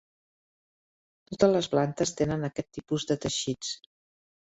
Totes les plantes tenen aquests tipus de teixits.